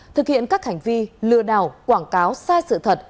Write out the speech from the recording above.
thực hiện các hành vi lừa đảo quảng cáo sai sự thật